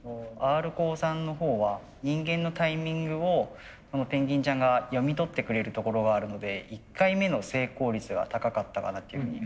Ｒコーさんのほうは人間のタイミングをペンギンちゃんが読み取ってくれるところがあるので１回目の成功率が高かったかなっていうふうに思います。